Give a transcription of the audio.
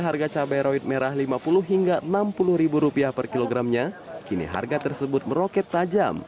harga cabai rawit merah lima puluh hingga enam puluh rupiah per kilogramnya kini harga tersebut meroket tajam